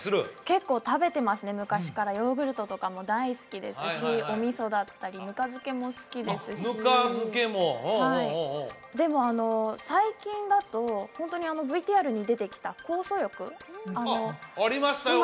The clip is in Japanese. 結構食べてますね昔からヨーグルトとかも大好きですしお味噌だったりぬか漬けも好きですしぬか漬けもほうほうはいでも最近だとホントにＶＴＲに出てきた酵素浴ありましたよ